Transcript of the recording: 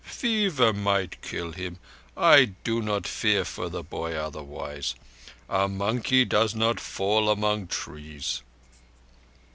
"Fever might kill him. I do not fear for the boy otherwise. A monkey does not fall among trees."